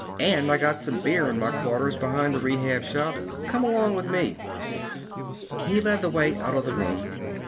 And I got some beer in my quarters behind the Rehab Shop. Come along with me!" He led the way out of the room.